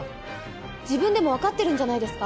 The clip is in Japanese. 自分でもわかってるんじゃないですか？